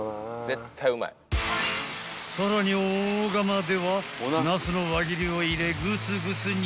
［さらに大釜ではナスの輪切りを入れぐつぐつ煮込んでらぁ］